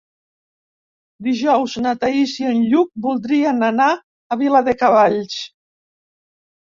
Dijous na Thaís i en Lluc voldrien anar a Viladecavalls.